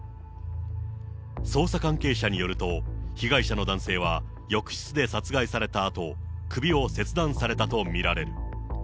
捜査関係者によると、被害者の男性は浴室で殺害されたあと、首を切断されたと見られる。